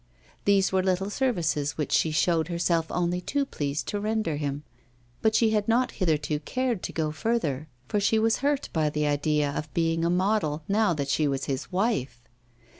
These were little services which she showed herself only too pleased to render him, but she had not hitherto cared to go further, for she was hurt by the idea of being a model now that she was his wife.